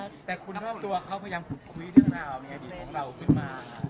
แต่คุณธรรมตัวเขาพยายามขุดคุยเรื่องราวมีอดีตของเราขึ้นมา